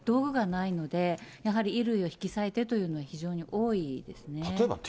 ほかに道具がないので、やはり衣類を引き裂いてというのは非常に多いですね。